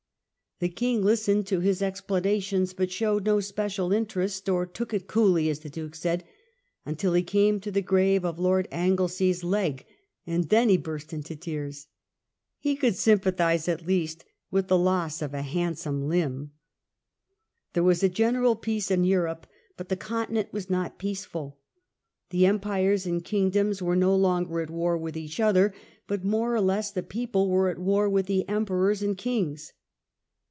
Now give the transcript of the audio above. The King listened to his ex planations, but showed no special interest, or took it *' coolly,'' as the Duke said, until he came to the grave of Lord Anglesey's leg, and then he burst into tears. He could sympathise, at least, with the loss of a handsome limb. There was a general peace in Europe, but the Con tinent was not peaceful. The empires and kingdoms were no longer at war with each other, but, more or less, the people were at war with the emperors and kings.